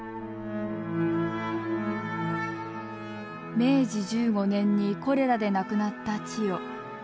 明治１５年にコレラで亡くなった千代。